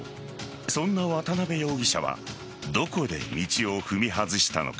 そんな渡辺容疑者はどこで道を踏み外したのか。